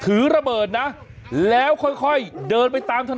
ถือระเบิดนะแล้วค่อยเดินไปตามถนน